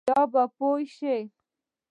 بیا به پوره شي ؟